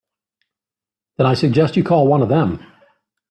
Then I suggest you call one of them.